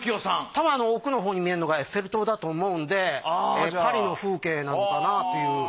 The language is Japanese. たぶん奥のほうに見えるのがエッフェル塔だと思うんでパリの風景なのかなという。